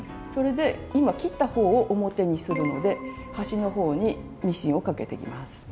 それで今切った方を表にするので端の方にミシンをかけていきます。